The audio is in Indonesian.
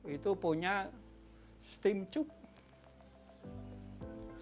itu punya steam tube